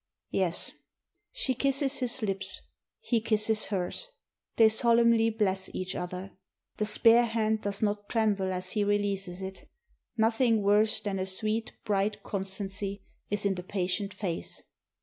"Yes." She kisses his lips; he kisses hers; they solemnly bless each other. The spare hand does not tremble as he re leases it; nothing worse than a sweet, bright constancy is in the patient face.